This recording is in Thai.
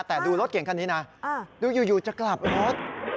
แต่ดูรถเก่งคันนี้นะดูอยู่จะกลับรถ